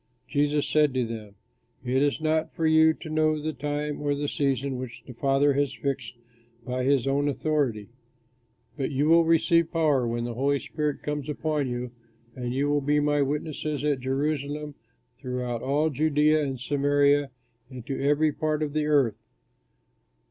Jesus said to them, "It is not for you to know the time or the season which the Father has fixed by his own authority; but you will receive power when the Holy Spirit comes upon you, and you will be my witnesses at Jerusalem, throughout all Judea and Samaria and to every part of the earth."